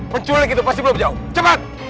penculik itu pasti belum jauh cepat